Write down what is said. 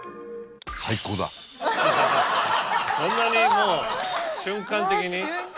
そんなにもう瞬間的に？